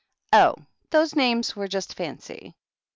" Oh, those names were just fancy.